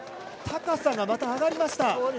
高さがまた上がりました。